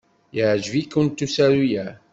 Yeɛjeb-ikem usaru-a?